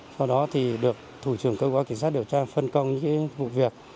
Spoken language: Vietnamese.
sau đó được thủ trưởng cơ quan kiểm tra điều tra phân công những vụ việc